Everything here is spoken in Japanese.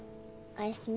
おやすみ。